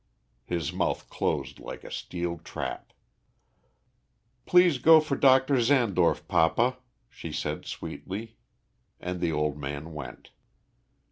His mouth closed like a steel trap. "Please go for Doctor Zandorf, papa," she said sweetly, and the old man went.